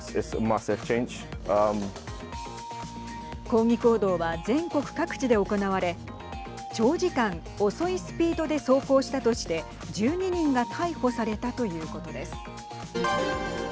抗議行動は全国各地で行われ長時間遅いスピードで走行したとして１２人が逮捕されたということです。